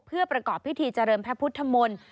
เพื่อประกอบพิธีเจริญพระพุทธมนตร์